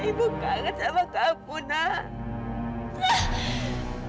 ibu kangen sama kamu nak